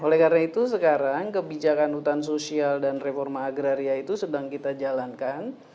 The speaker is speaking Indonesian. oleh karena itu sekarang kebijakan hutan sosial dan reforma agraria itu sedang kita jalankan